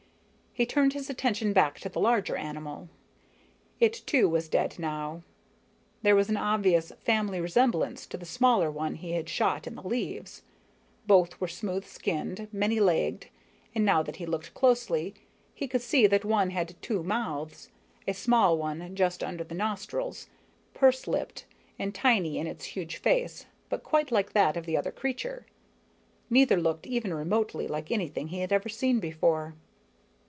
He turned his attention back to the larger animal. It, too, was dead now. There was an obvious family resemblance to the smaller one he had shot in the leaves. Both were smooth skinned, many legged, and now that he looked closely he could see this one had two mouths, a small one just under the nostrils, purse lipped and tiny in its huge face but quite like that of the other creature. Neither looked even remotely like anything he had ever seen before.